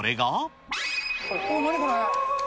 何これ。